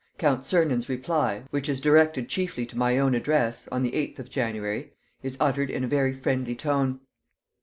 "Count Czernin's reply, which is directed chiefly to my own address, on the eighth of January, is uttered in a very friendly tone.